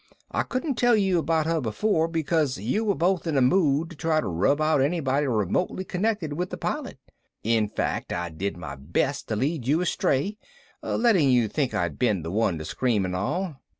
I couldn't tell you about her before, because you were both in a mood to try to rub out anybody remotely connected with the Pilot. In fact, I did my best to lead you astray, letting you think I'd been the one to scream and all.